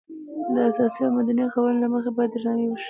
د اساسي او مدني قوانینو له مخې باید درناوی وشي.